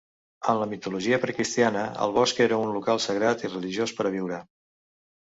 En la mitologia precristiana, el bosc era un local sagrat i religiós per a viure.